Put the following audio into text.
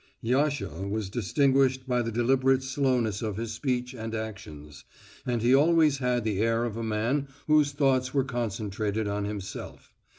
Yasha was distinguished by the deliberate slowness of his speech and actions, and he always had the air of a man whose thoughts were concentrated on himself.